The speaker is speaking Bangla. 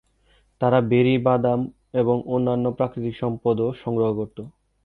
তারা বেরি, বাদাম এবং অন্যান্য প্রাকৃতিক সম্পদও সংগ্রহ করত।